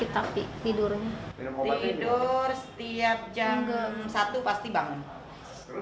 terus kebiasaannya bagaimana sekarang